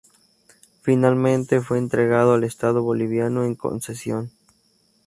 Finalmente, fue entregado al Estado boliviano en concesión.